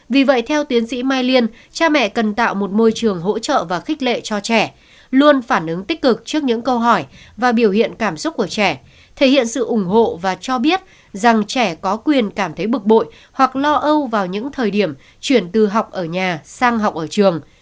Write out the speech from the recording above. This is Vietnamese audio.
vì vậy theo tiến sĩ mai liên cha mẹ cần tạo một môi trường hỗ trợ và khích lệ cho trẻ luôn phản ứng tích cực trước những câu hỏi và biểu hiện cảm xúc của trẻ thể hiện sự ủng hộ và cho biết rằng trẻ có quyền cảm thấy bực bội hoặc lo âu vào những thời điểm chuyển từ học ở nhà sang học ở trường